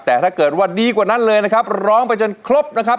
แต่ถ้าเกิดว่าดีกว่านั้นเลยนะครับร้องไปจนครบนะครับ